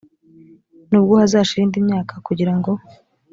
nubwo hazashira indi myaka kugira ngo